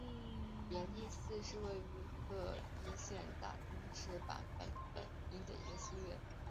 延历寺是位于滋贺县大津市坂本本町的一个寺院。